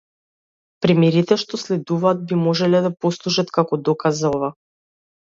Примерите што следуваат би можеле да послужат како доказ за ова.